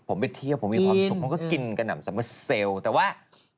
ผมไปเที่ยวผมมีความสุขผมก็กินกะหนัมซะมะเซลล์แต่ว่ากิน